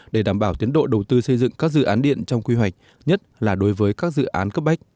để đảm bảo tiến độ đầu tư xây dựng các dự án điện trong quy hoạch nhất là đối với các dự án cấp bách